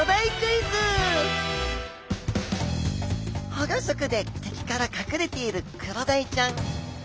保護色で敵から隠れているクロダイちゃん。